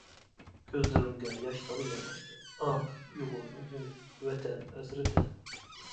كۆزلىرىمگە ياشلار ياماشتى، ئاھ ئۇيغۇرنىڭ ئۈنى، ۋەتەن ھەسرىتى.